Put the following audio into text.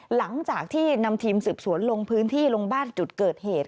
หลังจากที่นำทีมสืบสวนลงพื้นที่ลงบ้านจุดเกิดเหตุ